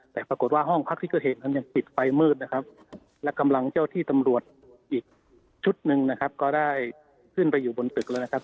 แต่ปรากฏว่าห้องพักที่เคยเห็นยังปิดไปมืดนะครับและกำลังเจ้าที่สำรวจอีกชุดหนึ่งก็ได้ขึ้นเป็นอยู่บนตึกเลยนะครับ